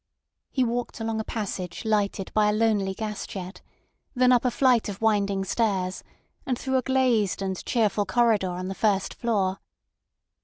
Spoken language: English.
He walked along a passage lighted by a lonely gas jet, then up a flight of winding stairs, and through a glazed and cheerful corridor on the first floor.